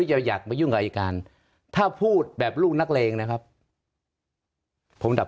อยากมายุ่งกับอายการถ้าพูดแบบลูกนักเลงนะครับผมดับ